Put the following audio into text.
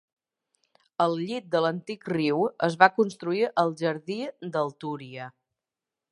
Al llit de l'antic riu es va construir el Jardí del Túria.